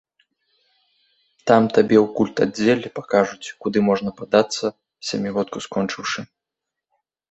Там табе ў культаддзеле пакажуць, куды можна падацца, сямігодку скончыўшы.